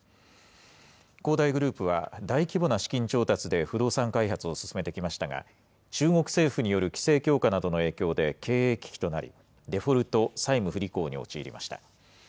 恒大グループは、大規模な資金調達で不動産開発を進めてきましたが、中国政府による規制強化などの影響で経営危機となり、デフォルト・債務不履行に陥りました。